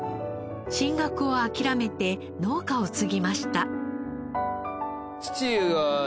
進学を諦めて農家を継ぎました。